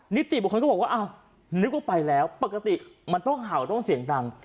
นิติบุคคลก็บอกว่าอ้าวนึกว่าไปแล้วปกติมันต้องเห่าต้องเสียงดัง